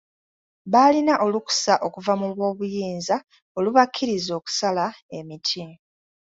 Baalina olukusa okuva mu b'obuyinza olubakkiriza okusala emiti.